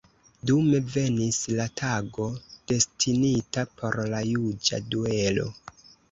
Dume venis la tago, destinita por la juĝa duelo.